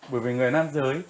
bởi vì người nam giới